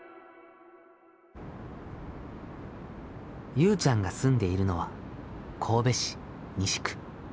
ゆうちゃんが住んでいるのは神戸市西区。